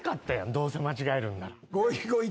どうせ間違えるんなら。